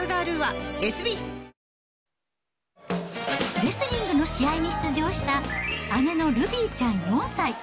レスリングの試合に出場した、姉のルビーちゃん４歳。